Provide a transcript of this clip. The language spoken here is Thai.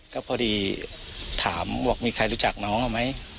ก็พอดีถามบอกมีใครรู้จักน้องเขาไหม